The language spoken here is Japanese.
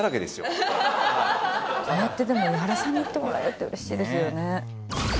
「こうやってでも井原さんに言ってもらえるって嬉しいですよね」